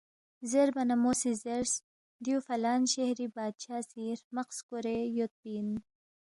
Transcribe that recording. زیربا نہ مو سی زیرس، دیُو فلان شہری بادشاہ سی ہرمق سکورے یودپی اِن